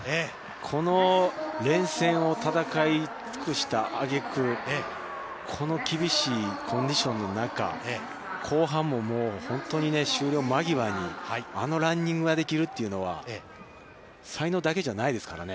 この連戦を戦い尽くしたあげくこの厳しいコンディションの中、後半も本当に終了間際にあのランニングができるというのは、才能だけじゃないですからね。